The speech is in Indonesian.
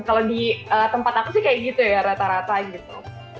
kalau di tempat aku sih kayak gitu ya rata rata gitu